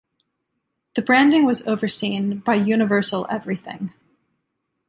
The branding was overseen by Universal Everything.